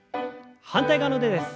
反対側の腕です。